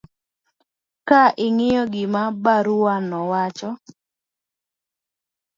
ka ing'iyo gima barua no wacho